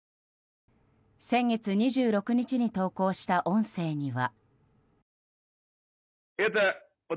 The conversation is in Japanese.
先月２６日に投稿した音声には。